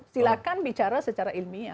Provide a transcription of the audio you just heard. silakan bicara secara ilmiah